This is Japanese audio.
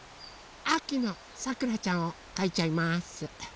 あきのさくらちゃんをかいちゃいます！